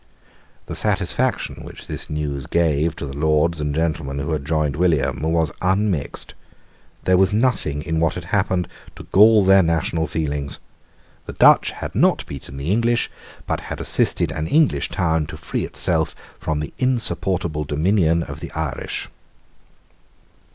The satisfaction which this news gave to the Lords and gentlemen who had joined William was unmixed. There was nothing in what had happened to gall their national feelings. The Dutch had not beaten the English, but had assisted an English town to free itself from the insupportable dominion of the Irish.